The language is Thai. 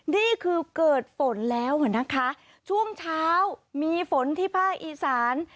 นี่คือเกิดฝนแล้วอ่ะนะคะช่วงเช้ามีฝนที่ภาคอีสาน